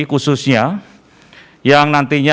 khususnya yang nantinya